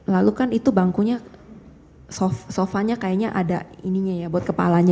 lalu kan itu bangkunya sofanya kayaknya ada ininya ya buat kepalanya